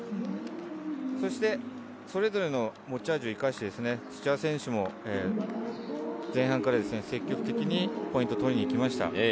そしてそれぞれの持ち味を生かして、土屋選手も前半から積極的にポイントを取りにいきました。